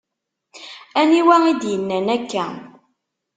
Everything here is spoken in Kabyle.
Anwa i d-yennan akka?